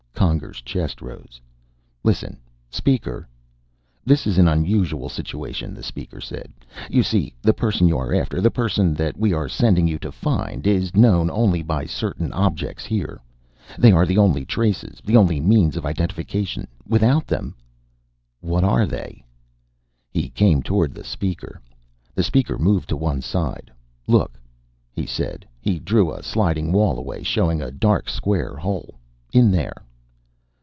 Conger's chest rose. "Listen, Speaker " "This is an unusual situation," the Speaker said. "You see, the person you are after the person that we are sending you to find is known only by certain objects here. They are the only traces, the only means of identification. Without them " "What are they?" He came toward the Speaker. The Speaker moved to one side. "Look," he said. He drew a sliding wall away, showing a dark square hole. "In there."